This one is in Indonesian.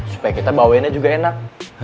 supaya kita bawainnya juga enak